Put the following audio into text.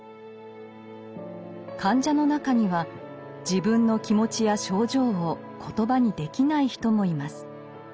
患者の中には自分の気持ちや症状を言葉にできない人もいます。